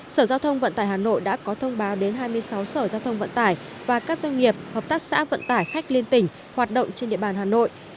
sở giao thông vận tải hà nội đã có thông báo đến hai mươi sáu sở giao thông vận tải và các doanh nghiệp hợp tác xã vận tải khách liên tỉnh hoạt động trên địa bàn hà nội